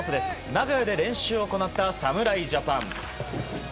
名古屋で練習を行った侍ジャパン。